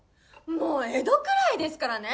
もうエドくらいですからね